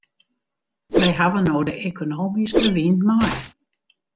Wy hawwe no de ekonomyske wyn mei.